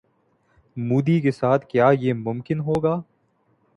مودی کے ساتھ کیا یہ ممکن ہوگا؟